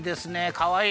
かわいい！